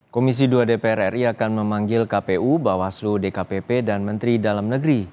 komisi dua dpr ri akan memanggil kpu bawaslu dkpp dan menteri dalam negeri